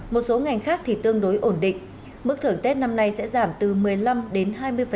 một số ngành khác thì tương đối ổn định mức thưởng tết năm nay sẽ giảm từ một mươi năm đến hai mươi